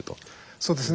そうですね